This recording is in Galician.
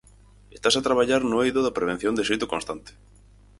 Estase a traballar no eido da prevención de xeito constante.